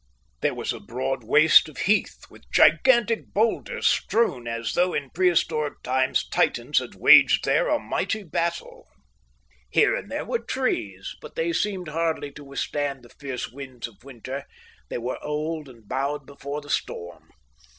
There was a broad waste of heath, with gigantic boulders strewn as though in pre historic times Titans had waged there a mighty battle. Here and there were trees, but they seemed hardly to withstand the fierce winds of winter; they were old and bowed before the storm.